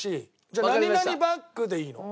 じゃあ「何々バッグ」でいいの？